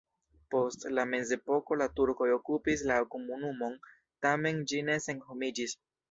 Post la mezepoko la turkoj okupis la komunumon, tamen ĝi ne senhomiĝis.